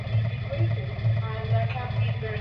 La manada entera de elefantes emitía sonidos fuertes.